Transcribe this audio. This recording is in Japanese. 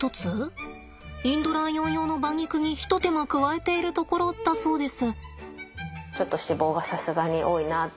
インドライオン用の馬肉に一手間加えているところだそうです。